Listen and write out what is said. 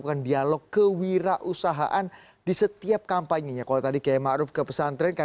abdurrahim robin cip jakarta